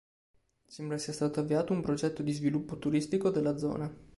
Sembra sia stato avviato un progetto di sviluppo turistico della zona.